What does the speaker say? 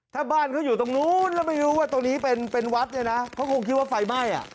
ถ้าบ้านเขาอยู่ตรงนู้นแล้วไม่รู้ว่าตรงนี้เป็นวัดเนี่ยนะเขาคงคิดว่าไฟไหม้อ่ะ